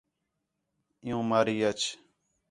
عِیُّوں ماری اَچ